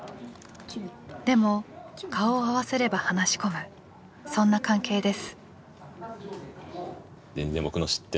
でも顔を合わせれば話し込むそんな関係です。